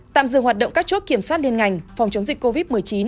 tạm dừng hoạt động các chốt kiểm soát liên ngành phòng chống dịch covid một mươi chín